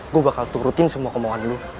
gue bakal turutin semua kemohon lo